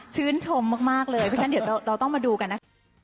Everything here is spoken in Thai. ชื่นชมมากเลยเพราะฉะนั้นเดี๋ยวเราต้องมาดูกันนะคะ